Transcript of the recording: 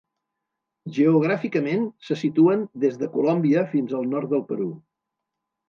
Geogràficament se situen des de Colòmbia fins al nord del Perú.